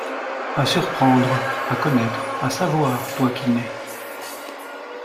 À surprendre, à connaître, à savoir, toi qui n’es